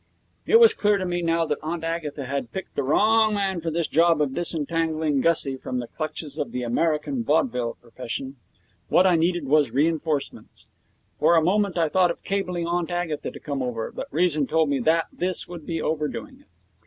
It was clear to me by now that Aunt Agatha had picked the wrong man for this job of disentangling Gussie from the clutches of the American vaudeville profession. What I needed was reinforcements. For a moment I thought of cabling Aunt Agatha to come over, but reason told me that this would be overdoing it.